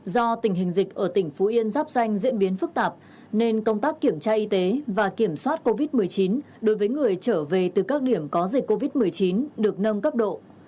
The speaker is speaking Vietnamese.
do tình hình dịch ở tỉnh phú yên giáp danh diễn biến phức tạp nên công tác kiểm tra y tế và kiểm soát covid một mươi chín đối với người trở về từ các điểm có dịch covid một mươi chín được nâng cấp độ